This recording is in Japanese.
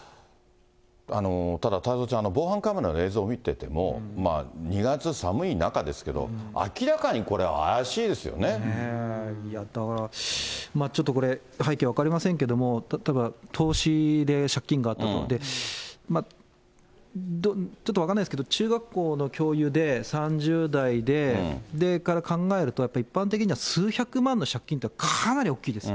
ただ太蔵ちゃん、防犯カメラの映像見てても、２月、寒い中ですけれども、明らかにこれ、だから、ちょっとこれ、背景分かりませんけれども、たぶん投資で借金があったと、ちょっと分からないですけど、中学校の教諭で、３０代で、考えるとやっぱり一般的には数百万の借金ってかなり大きいです。